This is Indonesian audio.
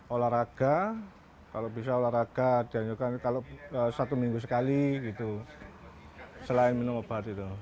olahraga kalau bisa olahraga dan juga kalau satu minggu sekali gitu selain minum obat itu